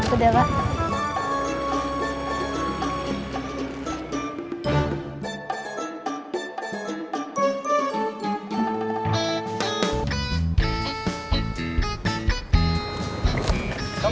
udah deh pak